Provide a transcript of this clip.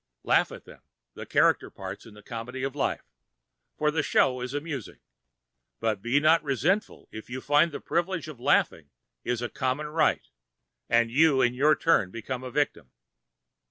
Laugh at them, the character parts in the comedy of life, for the show is amusing, but be not resentful if you find the privilege of laughing is a common right, and you in your turn become a victim.